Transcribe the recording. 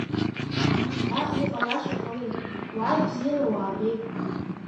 Шьҭа иҟалаша ҟалеит, уааи, бзиала уаабеит.